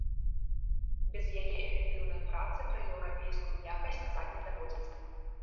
Без яе эфектыўнай працы пра еўрапейскую якасць казаць не даводзіцца.